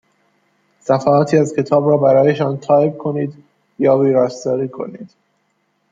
صفحاتی از کتاب را برایشان تایپ کنید یا ویراستاری کنید.